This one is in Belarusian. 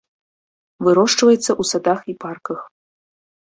Вырошчваецца ў садах і парках.